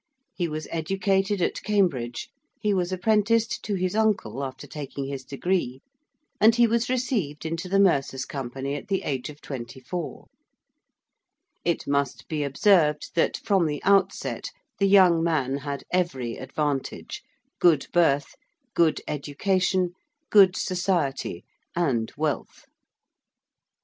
He was educated at Cambridge: he was apprenticed to his uncle after taking his degree: and he was received into the Mercers' Company at the age of twenty four. It must be observed that from the outset the young man had every advantage good birth, good education, good society, and wealth. [Illustration: SIR THOMAS GRESHAM.